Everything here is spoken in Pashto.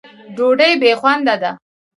ډوډۍ بې خونده ده.